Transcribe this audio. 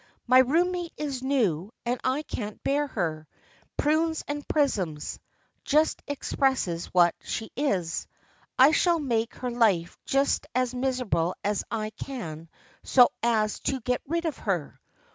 My roommate is new and I can't bear her. ' Prunes and prisms ' just ex presses what she is. I shall make her life just as miserable as I can so as to get rid of her.